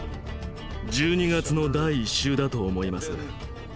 １２月の第１週だと思います。